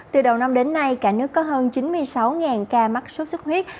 từ đầu năm đến nay cả nước có hơn chín mươi sáu ca mắc sốt xuất huyết